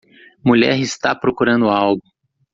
Mulher está procurando algo.